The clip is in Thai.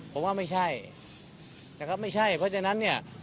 ผมว่าไม่ใช่นะครับไม่ใช่เพราะฉะนั้นเนี่ย